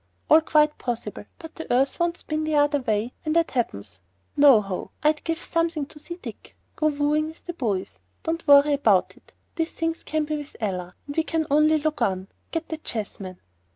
"All quite possible, but the earth won't spin the other way when that happens.... No! ho! I'd give something to see Dick "go wooing with the boys." Don't worry about it. These things be with Allah, and we can only look on. Get the chessmen."